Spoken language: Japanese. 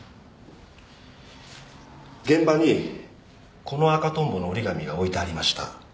現場にこの赤トンボの折り紙が置いてありました。